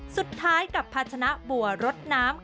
สุดท้ายกับภาชนะบัวรดน้ำ